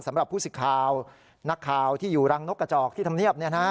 สำหรับผู้สิทธิ์ข่าวนักข่าวที่อยู่รังนกกระจอกที่ทำเนียบ